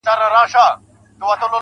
زه چي سهار له خوبه پاڅېږمه.